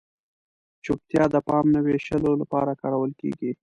چپتیا د پام نه وېشلو لپاره کارول کیږي.